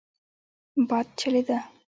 باد چلېده.